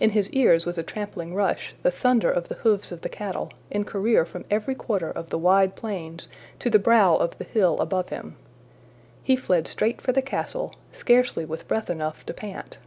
In his ears was a trampling rush, the thunder of the hoofs of the cattle, in career from every quarter of the wide plains to the brow of the hill above him. He fled straight for the castle, scarcely with breath enough to pant.